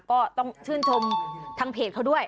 ก็ต้องชื่นชมทางเพจเขาด้วย